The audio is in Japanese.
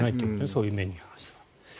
そういう面に関しては。